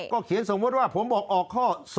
เขียนสมมุติว่าผมบอกออกข้อ๒